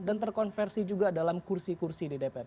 dan terkonversi juga dalam kursi kursi di tps